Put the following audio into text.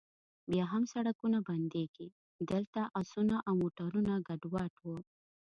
بیا هم سړکونه بندیږي، دلته اسونه او موټرونه ګډوډ و.